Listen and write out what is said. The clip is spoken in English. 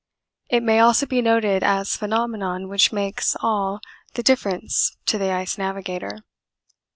It may also be noted as phenomenon which makes all the difference to the ice navigator.